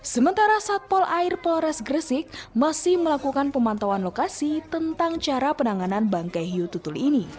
sementara satpol air polres gresik masih melakukan pemantauan lokasi tentang cara penanganan bangkai hiu tutul ini